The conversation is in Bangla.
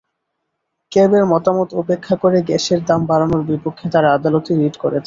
ক্যাবের মতামত উপেক্ষা করে গ্যাসের দাম বাড়ানোর বিপক্ষে তাঁরা আদালতে রিট করেছেন।